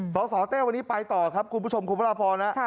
สสเต้วันนี้ไปต่อครับคุณผู้ชมคุณพระราพรนะ